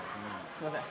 すいません。